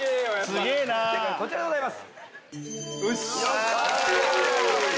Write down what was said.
正解こちらでございます。